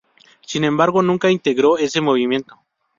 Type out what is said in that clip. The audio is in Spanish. Sin embargo nunca integró ese movimiento.